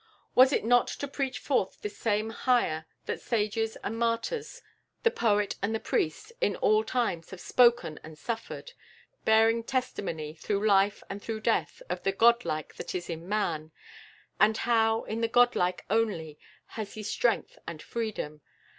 Was it not to preach forth this same Higher that sages and martyrs, the Poet and the Priest, in all times, have spoken and suffered; bearing testimony, through life and through death, of the Godlike that is in Man, and how, in the Godlike only, has he Strength and Freedom?"